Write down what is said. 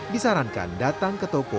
disarankan datang ke tepung